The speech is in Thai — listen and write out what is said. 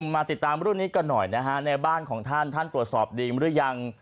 ต้องมาติดตามรุ่นนี้ก่อนหน่อยนะคะในบ้านของท่านท่านตัวสอบดีมรึยัง